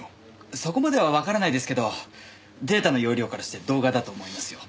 そこまではわからないですけどデータの容量からして動画だと思いますよ。